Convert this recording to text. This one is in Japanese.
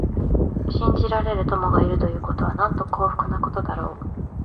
信じられる友がいるということは、なんと幸福なことだろう。